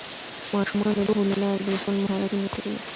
ماشومان د لوبو له لارې د ژوند مهارتونه زده کوي.